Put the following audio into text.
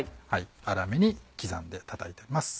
粗めに刻んでたたいてます。